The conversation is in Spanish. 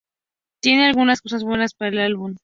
Tiene algunas cosas buenas para el álbum"".